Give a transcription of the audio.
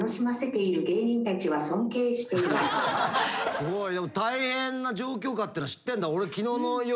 スゴいでも大変な状況下ってのは知ってんだ。